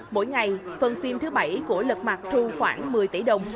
mỗi ngày phần phim thứ bảy của lật mặt thu khoảng một mươi tỷ đồng